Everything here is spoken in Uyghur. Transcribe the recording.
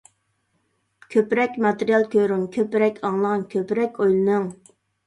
كۆپرەك ماتېرىيال كۆرۈڭ، كۆپرەك ئاڭلاڭ، كۆپرەك ئويلىنىڭ.